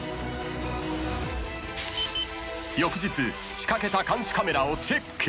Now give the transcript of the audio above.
［翌日仕掛けた監視カメラをチェック］